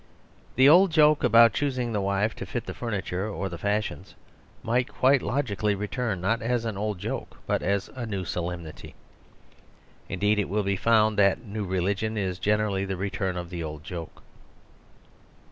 The old joke about choosing the wife to fit the furniture or the fashions might quite logically return, not as an old joke but as a new solemnity; indeed, it will be found that a new religion is generally the return of an old joke.